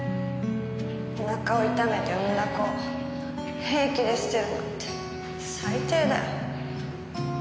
お腹を痛めて産んだ子を平気で捨てるなんて最低だよ。